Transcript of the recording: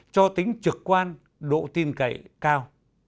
cho tính trực quan độ tin cậy cao